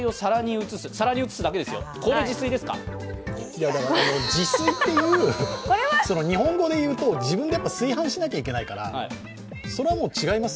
いやだから、自炊っていう日本語でいうと、自分で炊飯しなきゃいけないからそれはもう違います